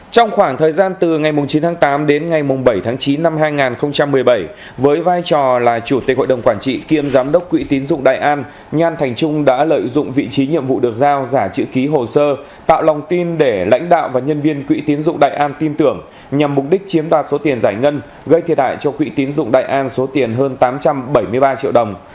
trong khoảng thời gian từ ngày chín tháng tám đến ngày bảy tháng chín năm hai nghìn một mươi bảy với vai trò là chủ tịch hội đồng quản trị kiêm giám đốc quỹ tín dụng đại an nhan thành trung đã lợi dụng vị trí nhiệm vụ được giao giả chữ ký hồ sơ tạo lòng tin để lãnh đạo và nhân viên quỹ tín dụng đại an tin tưởng nhằm mục đích chiếm đoạt số tiền giải ngân gây thiệt hại cho quỹ tín dụng đại an số tiền hơn tám trăm bảy mươi ba triệu đồng